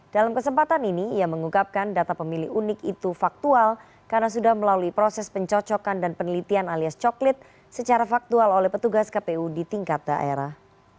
dalam kesempatan ini ia mengungkapkan data pemilih unik itu faktual karena sudah melalui proses pencocokan dan penelitian alias coklit secara faktual oleh petugas kpu di tingkat daerah